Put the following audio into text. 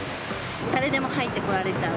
誰でも入ってこられちゃう。